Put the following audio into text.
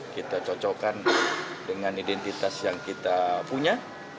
kita cocokkan dengan identitas yang kita punya